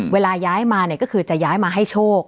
เวลาย้ายมาเนี่ยก็คือจะย้ายมาให้โชค